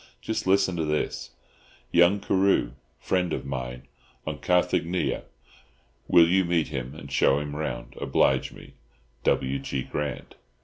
Just listen to this: 'Young Carew, friend of mine, on Carthaginia. Will you meet him and show him round; oblige me—W. G. Grant.